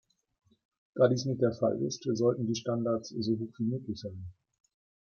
Da dies nicht der Fall ist, sollten die Standards so hoch wie möglich sein.